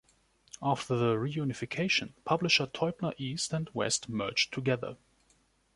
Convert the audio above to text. After the reunification, publisher Teubner East and West merged together.